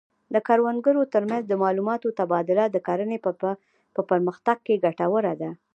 د کروندګرو ترمنځ د معلوماتو تبادله د کرنې په پرمختګ کې ګټوره ده.